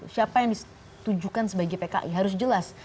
siapa yang ditujukan sebagai pki harus jelas